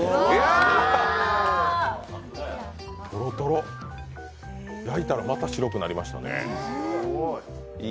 とろとろ、焼いたらまた白くなりましたね。